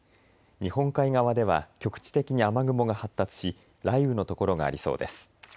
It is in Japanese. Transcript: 日本海側では局地的に雨雲が発達し、雷雨の所がありそうです。